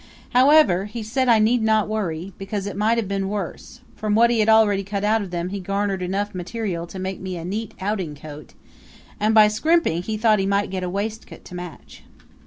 However, he said I need not worry, because it might have been worse; from what he had already cut out of them he had garnered enough material to make me a neat outing coat, and by scrimping he thought he might get a waistcoat to match.